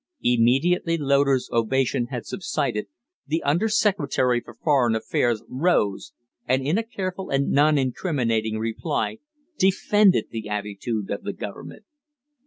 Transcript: Immediately Loder's ovation had subsided, the Under Secretary for Foreign Affairs rose and in a careful and non incriminating reply defended the attitude of the Government.